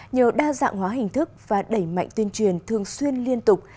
nhờ đa dạng hóa hình thức và đẩy mạnh tuyên truyền thường xuyên liên tục